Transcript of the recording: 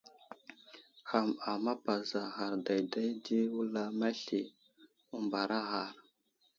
Ham amapazaghar dayday di wulam masli məmbaraghar.